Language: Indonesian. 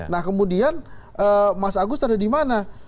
nah kemudian mas agus ada di mana